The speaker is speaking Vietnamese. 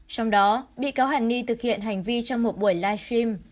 trong đó bị cáo hàn ni thực hiện hành vi trong một buổi live stream